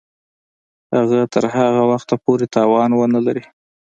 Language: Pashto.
هغه تر هغه وخته پوري توان ونه لري.